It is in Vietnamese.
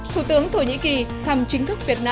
thủ tướng thổ nhĩ kỳ thăm chính thức việt nam